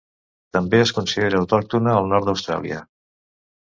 També es considera autòctona al nord d'Austràlia.